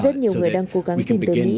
rất nhiều người đang cố gắng tìm tới mỹ